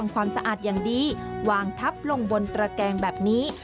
ความสะอาดอย่างดีวางทับลงบนตระแกงแบบนี้